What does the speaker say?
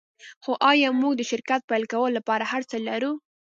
خو ایا موږ د شرکت پیل کولو لپاره هرڅه لرو